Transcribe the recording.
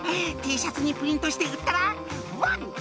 「Ｔシャツにプリントして売ったらワン！